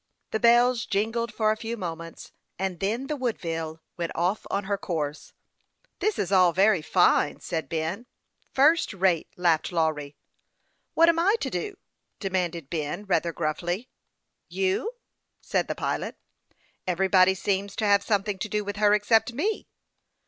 The bells jingled for a few moments, and then the Woodville went off on her course. " This is all very fine," said Ben, seating himself behind Lawry, in the wheel house. " First rate," laughed Lawry. " What am I to do ?" demanded Ben, rather gruffly. " You ?" said the pilot. " Everybody seems to have something to do with her except me."